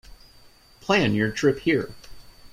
Plan your trip here.